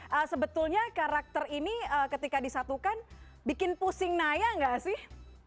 jadi sebenarnya karakter ini ketika disatukan bikin pusing naya gak sih